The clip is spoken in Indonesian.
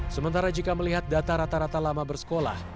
sementara jika melihat data rata rata lama bersekolah